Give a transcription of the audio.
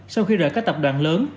sau khi rời các tập đoàn lớn